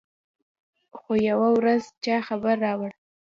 خو يوه ورځ چا خبر راوړ.